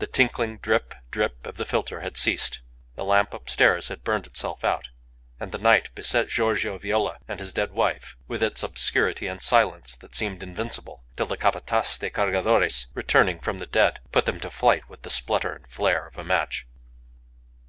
The tinkling drip, drip of the filter had ceased, the lamp upstairs had burnt itself out, and the night beset Giorgio Viola and his dead wife with its obscurity and silence that seemed invincible till the Capataz de Cargadores, returning from the dead, put them to flight with the splutter and flare of a match.